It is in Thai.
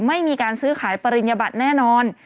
ไม่มีการซื้อขายปริญญบัตรแน่นอน